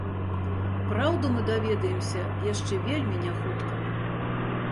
Праўду мы даведаемся яшчэ вельмі няхутка.